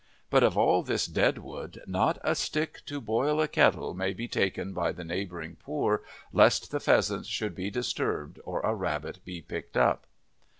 But of all this dead wood not a stick to boil a kettle may be taken by the neighbouring poor lest the pheasants should be disturbed or a rabbit be picked up.